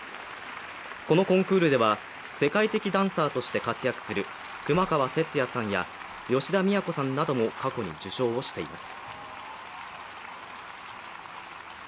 このコンクールでは世界的ダンサーとして活躍する熊川哲也さんや吉田都さんなども過去に受賞をしています。